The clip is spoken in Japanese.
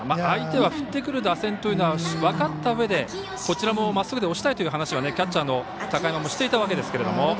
相手は振ってくる打線というのは分かったうえでこちらもまっすぐで押したいという話はキャッチャーの高山もしていたわけですけれども。